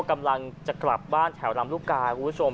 กำลังจะกลับบ้านแถวลำลูกกาคุณผู้ชม